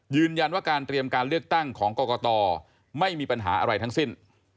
ยืนยันว่าการเตรียมการเลือกตั้งของกรกตไม่มีปัญหาอะไรทั้งสิ้น